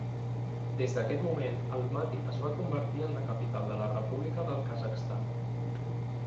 Des d'aquest moment, Almati es va convertir en la capital de la República del Kazakhstan.